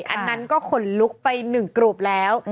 อันนั้นก็ขนลุกไป๑กรูปแล้ว